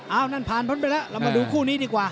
เอ้านั่นผ่านไปละมาดูคู่นี้ดีกว่า